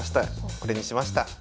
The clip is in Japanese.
これにしました。